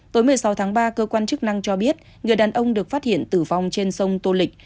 tối một mươi sáu tháng ba cơ quan chức năng cho biết người đàn ông được phát hiện tử vong trên sông tô lịch